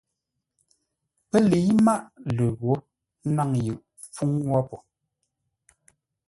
Pə́ lə̌i máʼ ləghǒ, ə́ náŋ yʉ pfuŋ wó po.